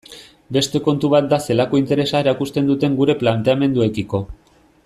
Beste kontu bat da zelako interesa erakusten duten gure planteamenduekiko.